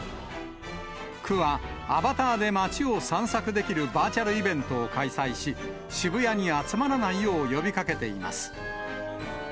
区は、アバターで街を散策できるバーチャルイベントを開催し、渋谷に集まらないよう呼びかけています。